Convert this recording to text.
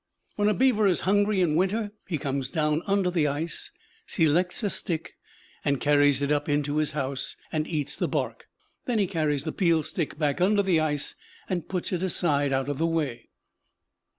When a beaver is hungry in winter he comes down under the ice, selects a stick, carries it up into his house, and eats the bark. Then he carries the peeled stick back under the ice and puts it aside out of the way.